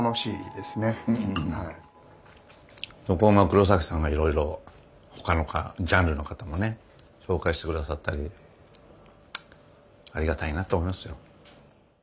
黒崎さんがいろいろ他のジャンルの方もね紹介して下さったりありがたいなと思いますよ。